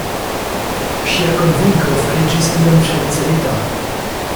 Ŝia konvinko fariĝis iom ŝancelita.